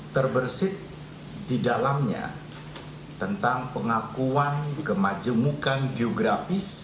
terbersih di dalamnya tentang pengakuan kemajemukan geografis